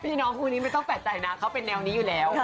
พี่น้องคู่นี้ไม่ต้องแปลกใจนะเขาเป็นแนวนี้อยู่แล้ว